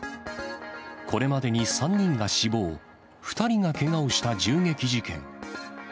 これまでに３人が死亡、２人がけがをした銃撃事件。